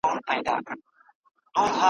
په وفا به مو سوګند وي یو د بل په مینه ژوند وي ,